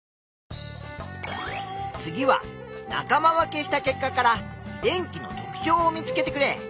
次は仲間分けした結果から電気の特ちょうを見つけてくれ。